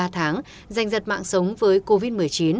tháng giành giật mạng sống với covid một mươi chín